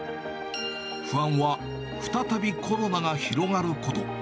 不安は、再びコロナが広がること。